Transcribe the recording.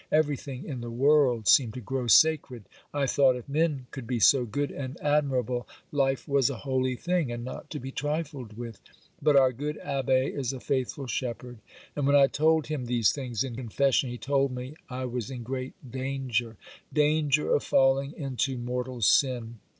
Everything in the world seemed to grow sacred. I thought if men could be so good and admirable, life was a holy thing, and not to be trifled with. But our good Abbé is a faithful shepherd, and when I told him these things in confession, he told me I was in great danger—danger of falling into mortal sin.